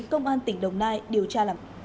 công an tỉnh đồng nai điều tra lầm